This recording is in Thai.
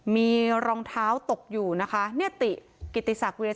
ไม่มาได้เมื่อวานเขาบอก